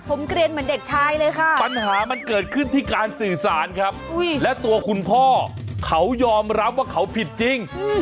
ปัญหามันเกิดขึ้นที่การสื่อสารครับและตัวคุณพ่อเขายอมรับว่าเขาผิดจริง